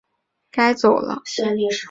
我们该走了